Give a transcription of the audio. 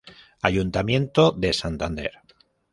Ayuntamiento de Santander.